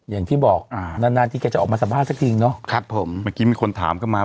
อย่างที่บอกนานที่จะออกมาสัมภาษณ์สักทีเนอะ